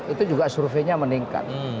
itu juga surveinya meningkat